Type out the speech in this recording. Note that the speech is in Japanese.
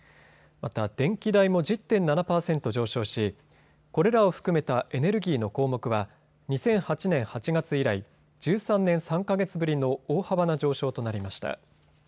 また、電気代も１０．７％上昇しこれらを含めたエネルギーの項目は２００８年８月以来、１３年３か月ぶりの大幅な上昇となりました。